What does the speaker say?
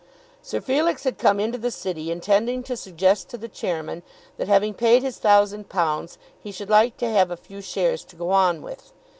Sir Felix had come into the city intending to suggest to the Chairman that having paid his thousand pounds he should like to have a few shares to go on with.